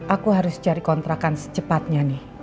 aku harus cari kontrakan secepatnya nih